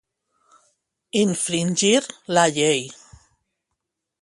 Infringir la llei.